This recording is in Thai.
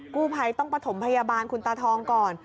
กู้ภัยต้องประถมพยาบาลคุณตาทองก่อน